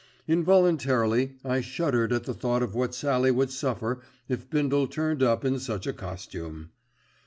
Involuntarily I shuddered at the thought of what Sallie would suffer if Bindle turned up in such a costume.